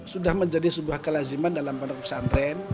sudah menjadi sebuah kelaziman dalam penduduk pesantren